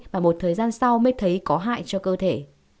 và một thời gian sau mới thấy có hại cho cơ thể